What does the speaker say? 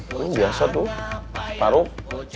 lu biasa tuh paruk